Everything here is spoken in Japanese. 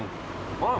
うん！